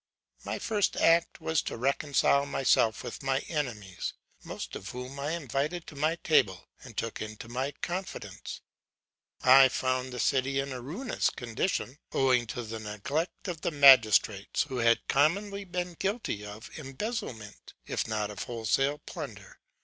My first act was to reconcile myself with my enemies, most of whom I invited to my table and took into my confidence. 'I found the city in a ruinous condition, owing to the neglect of the magistrates, who had commonly been guilty of embezzlement, if not of wholesale plunder.